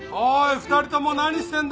２人とも何してるんだ？